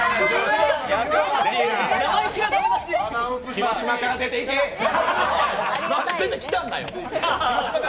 広島から出てきたんだよ。